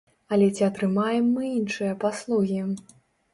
Але ці атрымаем мы іншыя паслугі?